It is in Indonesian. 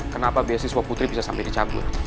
kenapa beasiswa putri bisa sampai dicabut